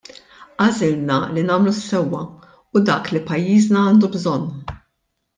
Għażilna li nagħmlu s-sewwa u dak li pajjiżna għandu bżonn.